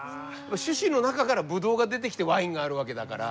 種子の中からぶどうが出てきてワインがあるわけだから。